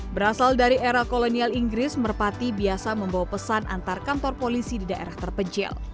berasal dari era kolonial inggris merpati biasa membawa pesan antar kantor polisi di daerah terpencil